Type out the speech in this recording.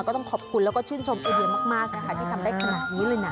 ก็ต้องขอบคุณแล้วก็ชื่นชมไอเดียมากนะคะที่ทำได้ขนาดนี้เลยนะ